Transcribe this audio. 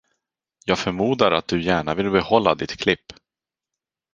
Jag förmodar att du gärna vill behålla ditt klipp.